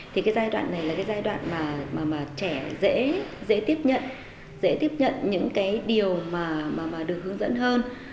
thì cái giai đoạn này là cái giai đoạn mà trẻ dễ dễ tiếp nhận dễ tiếp nhận những cái điều mà được hướng dẫn hơn